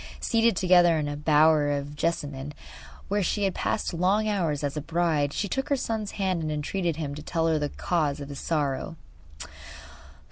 Seated together in a bower of jessamine where she had passed long hours as a bride she took her son's hand and entreated him to tell her the cause of his sorrow.